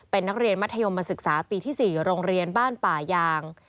เป็นนักเรียนมัธยมศึกษาปีที่๔โรงเรียนบ้านป่ายาง